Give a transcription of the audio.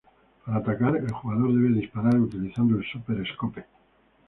Para atacar, el jugador debe disparar utilizando el Super Scope.